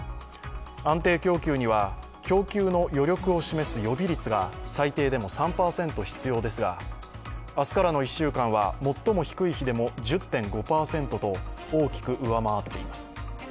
安定供給には供給の余力を示す予備率が最低でも３％必要ですが明日からの１週間は最も低い日でも１０．５％と大きく上回っています。